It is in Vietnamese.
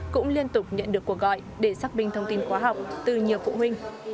cũng liên tục nhận được cuộc gọi để xác minh thông tin khoa học từ nhiều phụ huynh